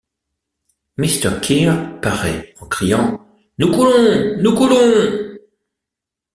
Mr. Kear paraît, en criant: « Nous coulons! nous coulons !